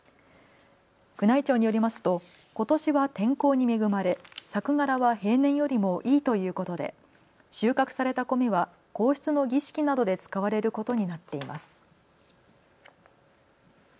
宮内庁によりますとことしは天候に恵まれ作柄は平年よりもいいということで収穫された米は皇室の儀式などで使われることになっています。